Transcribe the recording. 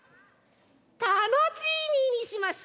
タノチーミーにしました。